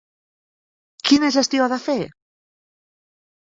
Quina gestió ha de fer?